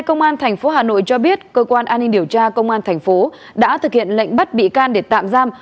công an tp hà nội cho biết cơ quan an ninh điều tra công an thành phố đã thực hiện lệnh bắt bị can để tạm giam